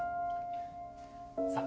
さあ。